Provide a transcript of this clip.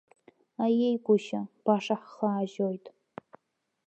Аиеи гәышьа, баша ҳхы аажьоит.